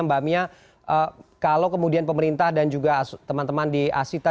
mbak mia kalau kemudian pemerintah dan juga teman teman di asita